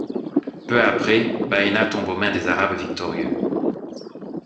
Peu après, Baena tombe aux mains des arabes victorieux.